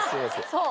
そう。